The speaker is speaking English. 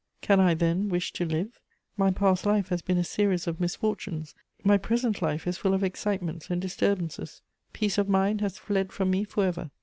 Can I, then, wish to live? My past life has been a series of misfortunes, my present life is full of excitements and disturbances: peace of mind has fled from me for ever.